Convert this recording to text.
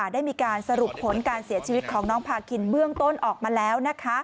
ได้มีการสรุปผลการเสียชีวิตของน้องพาคินเบื้องต้นออกมาแล้ว